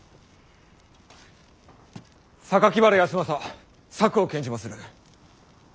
原康政策を献じまする！